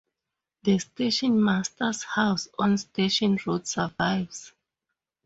The station master's house on Station Road survives.